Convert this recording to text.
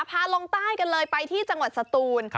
พาลงใต้กันเลยไปที่จังหวัดสตูน